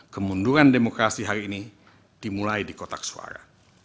kemunduran demokrasi hari ini dimulai di kotak suara